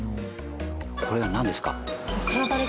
これはなんですか？